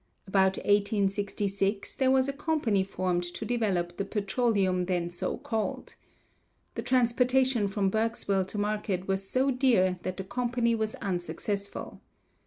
About 1866 there was a company formed to develop the petroleum then so called. The transportation from Berksville to market was so dear that the company was unsuccessful.